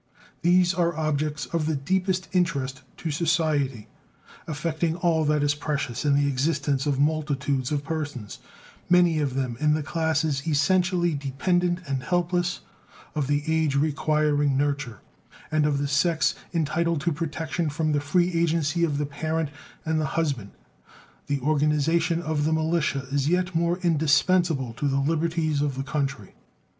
These are objects of the deepest interest to society, affecting all that is precious in the existence of multitudes of persons, many of them in the classes essentially dependent and helpless, of the age requiring nurture, and of the sex entitled to protection from the free agency of the parent and the husband. The organization of the militia is yet more indispensable to the liberties of the country.